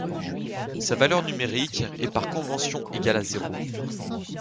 Sa valeur numérique est par convention égale à zéro.